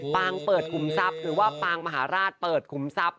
งเปิดขุมทรัพย์หรือว่าปางมหาราชเปิดขุมทรัพย